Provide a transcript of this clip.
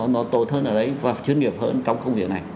nó tốt hơn ở đấy và chuyên nghiệp hơn trong công việc này